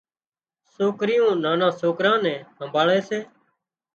سوڪريُون نانان سوڪران نين همڀاۯي سي